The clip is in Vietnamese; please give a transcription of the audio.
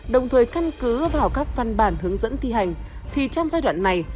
đồng thời căn cứ vào các văn bản hướng dẫn thi hành thì trong giai đoạn này